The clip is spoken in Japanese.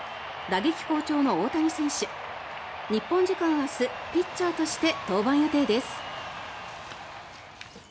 打撃好調の大谷選手日本時間明日ピッチャーとして登板予定です。